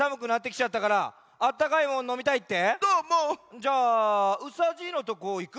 じゃあうさじいのとこいく？